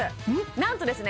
なんとですね